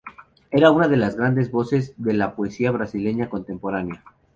Era una de las grandes voces de la poesía brasileña contemporánea.